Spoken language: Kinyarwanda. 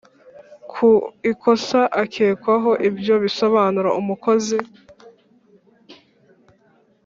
Ku ikosa akekwaho ibyo bisobanuro umukozi